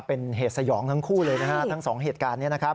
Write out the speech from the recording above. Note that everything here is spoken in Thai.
เป็นเหตุสยองทั้งคู่เลยนะฮะทั้งสองเหตุการณ์นี้นะครับ